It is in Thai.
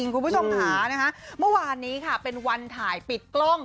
คุณผู้ชมค่ะเมื่อวานนี้ค่ะเป็นวันถ่ายปิดกล้อง